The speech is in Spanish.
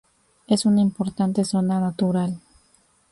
Es una importante zona natural.